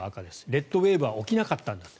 レッドウェーブは起きなかったんだと。